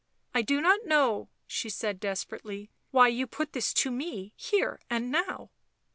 " I do not know," she said desperately, " why you put this to me, here and now."